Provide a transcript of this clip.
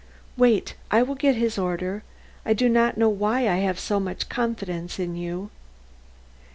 "Wait! I will get his order. I do not know why I have so much confidence in you."